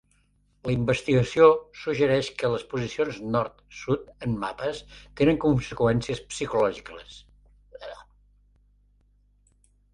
La investigació suggereix que les posicions nord-sud en mapes tenen conseqüències psicològiques.